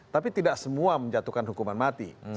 tapi tidak semua menjatuhkan hukuman mati